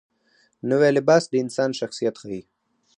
نوی لباس د انسان شخصیت ښیي